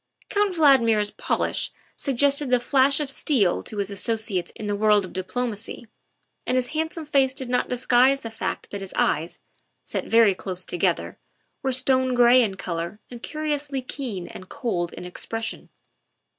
Count Valdmir 's polish suggested the flash of steel to his associates in the world of diplomacy, and his hand some face did not disguise the fact that his eyes, set very close together, were stone gray in color and curi ously keen and cold in expression.